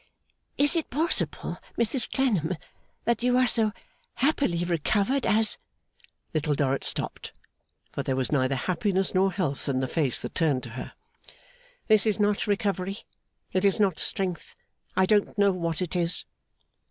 'Is it possible, Mrs Clennam, that you are so happily recovered as ' Little Dorrit stopped, for there was neither happiness nor health in the face that turned to her. 'This is not recovery; it is not strength; I don't know what it is.